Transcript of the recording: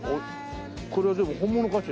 これはでも本物かしら？